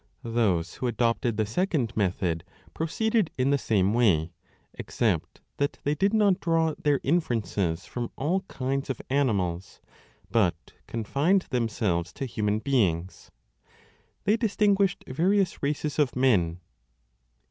Those who adopted the second method proceeded in the same way, except that they did not draw their infer 25 ences from all kinds of animals but confined themselves to human beings : they distinguished various races of men (e.